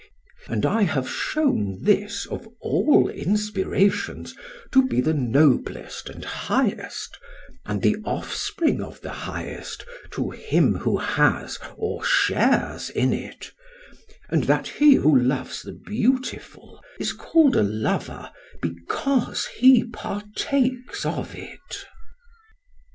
And I have shown this of all inspirations to be the noblest and highest and the off spring of the highest to him who has or shares in it, and that he who loves the beautiful is called a lover because he partakes of it.